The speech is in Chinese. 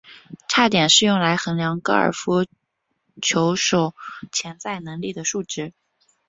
差点是用来量度高尔夫球手潜在能力的数值。